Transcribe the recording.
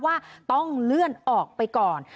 ว่าต้องเลื่อนออกไปก่อน